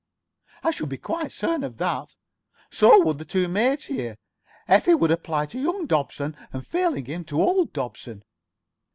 I should be quite certain of that. So would the two maids here. Effie would apply to young Dobson, and failing him, to old Dobson.